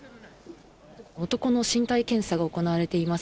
男の身体検査が行われています。